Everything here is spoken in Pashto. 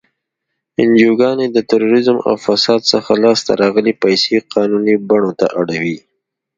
انجوګانې د تروریزم او فساد څخه لاس ته راغلی پیسې قانوني بڼو ته اړوي.